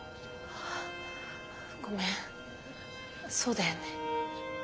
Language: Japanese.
ああごめんそうだよね。